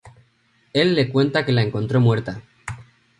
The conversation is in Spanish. Él le cuenta que la encontró muerta.